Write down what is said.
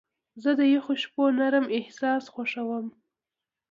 زه د یخو شپو نرم احساس خوښوم.